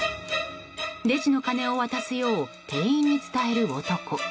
レジの金を渡すよう店員に伝える男。